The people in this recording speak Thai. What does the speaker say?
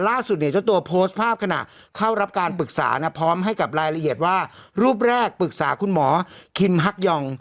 ล่าสุดเนี่ยเจ้าตัวโพสต์ภาพขณะเข้ารับการปรึกษานะพร้อมให้กับรายละเอียดว่ารูปแรกปรึกษาคุณหมอคิมฮักยอง